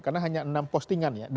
karena hanya enam postingan ya